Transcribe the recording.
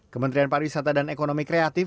kementerian pariwisata dan ekonomi kreatif